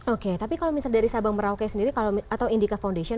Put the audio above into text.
oke tapi kalau misalnya dari sabang merauke sendiri atau indica foundation